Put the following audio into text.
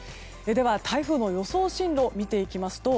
台風の予想進路を見ていきますと